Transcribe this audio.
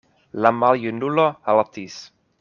La maljunulo haltis.